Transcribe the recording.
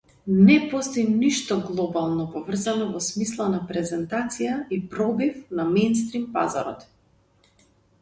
Не постои ништо глобално поврзано во смисла на презентација и пробив на меинстрим пазарот.